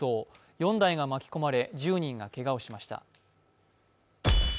４台が巻き込まれ１０人がけがをしました。